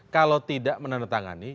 kalau tidak menandatangani